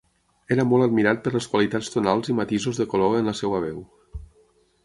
Era molt admirat per les qualitats tonals i matisos de color en la seua veu.